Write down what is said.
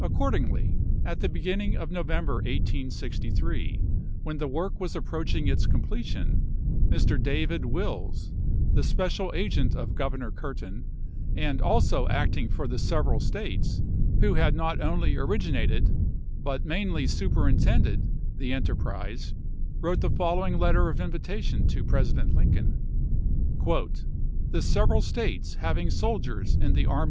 Accordingly, at the beginning of No vember, 1863, when the work was approaching its completion, Mr. David Wills, the special agent of Governor Curtin, and also acting for the several States, who had not only originated, but mainly 190 ABRAHAM LINCOLN Chap. VII. Superintended, the enterprise, wrote the following letter of invitation to President Lincoln :" The several States having soldiers in the Army 1863.